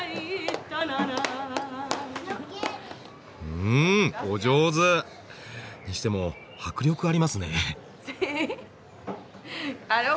うんお上手！にしても迫力ありますね。